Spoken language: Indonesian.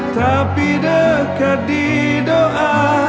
tapi dekat di doa